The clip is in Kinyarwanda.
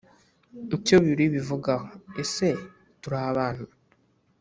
Icyo Bibiliya Ibivugaho Ese turabantu